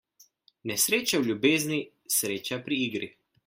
Nesreča v ljubezni, sreča pri igri.